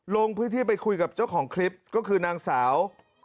ลงพื้นที่ไปคุยกับเจ้าของคลิปก็คือนางสาว